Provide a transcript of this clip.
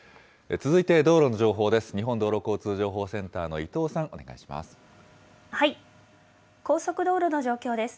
続いて道路の情報です。